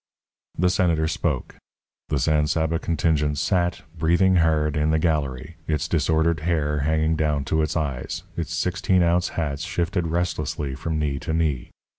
The Senator spoke. The San Saba contingent sat, breathing hard, in the gallery, its disordered hair hanging down to its eyes, its sixteen ounce hats shifted restlessly from knee to knee.